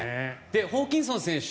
ホーキンソン選手